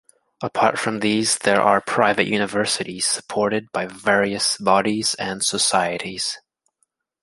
Apart from these there are private universities supported by various bodies and societies.